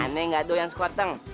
aneh gak doyang sekoteng